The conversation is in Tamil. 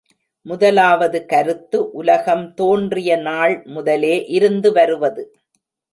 முதலாவது கருத்து, உலகம் தோன்றிய நாள் முதலே இருந்து வருவது.